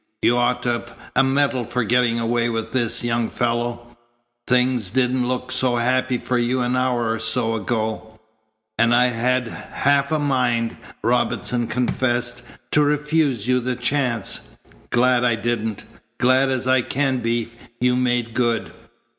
"You ought to have a medal for getting away with this, young fellow. Things didn't look so happy for you an hour or so ago." "And I had half a mind," Robinson confessed, "to refuse you the chance. Glad I didn't. Glad as I can be you made good."